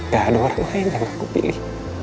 gak ada orang lain yang aku pilih